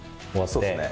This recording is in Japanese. そうですね。